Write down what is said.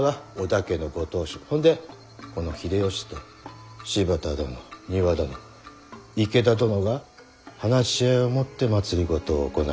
ほんでこの秀吉と柴田殿丹羽殿池田殿が話し合いをもって政を行う。